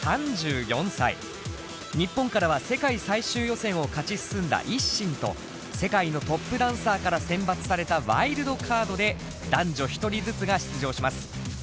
日本からは世界最終予選を勝ち進んだＩＳＳＩＮと世界のトップダンサーから選抜されたワイルドカードで男女１人ずつが出場します。